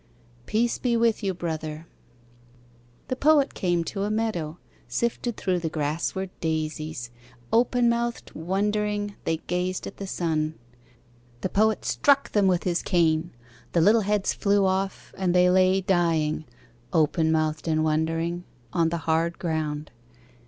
Peace be with you, Brother. The Poet came to a meadow. Sifted through the grass were daisies, Open mouthed, wondering, they gazed at the sun. The Poet struck them with his cane. The little heads flew off, and they lay Dying, open mouthed and wondering, On the hard ground.